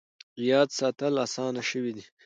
یاد ساتل اسانه شوي دي.